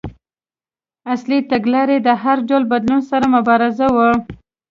اصلي تګلاره یې د هر ډول بدلون سره مبارزه وه.